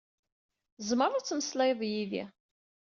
Tzemreḍ ad temmeslayeḍ yid-i.